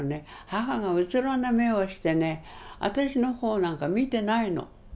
母がうつろな目をしてね私の方なんか見てないの。